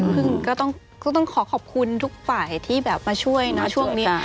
ซึ่งก็ต้องขอขอบคุณทุกฝ่ายที่แบบมาช่วยนะช่วงนี้